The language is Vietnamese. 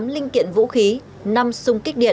tám linh kiện vũ khí năm súng kích điện